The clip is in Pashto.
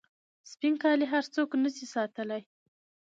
سپین کالي هر څوک نسي ساتلای.